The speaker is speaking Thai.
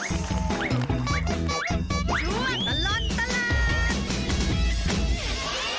ชั่วตะล้นตะลัน